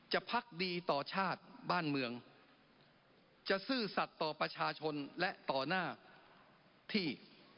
พักดีต่อชาติบ้านเมืองจะซื่อสัตว์ต่อประชาชนและต่อหน้าที่